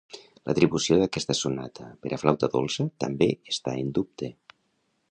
L'atribució d'aquesta sonata per a flauta dolça també està en dubte.